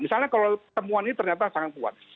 misalnya kalau temuan ini ternyata sangat kuat